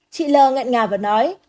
chị lơ ngạn ngà và nói